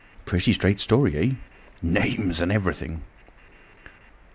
Pretty straight story, eh? Names and everything."